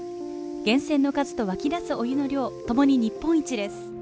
源泉の数と湧き出すお湯の量ともに、日本一です。